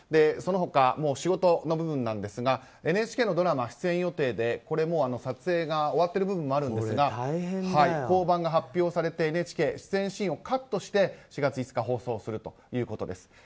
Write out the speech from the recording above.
その他、仕事の部分ですがＮＨＫのドラマ出演予定で撮影が終わっている部分もあるんですが降板が発表されてＮＨＫ、出演シーンをカットして４月５日放送するということです。